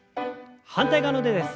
反対側の腕です。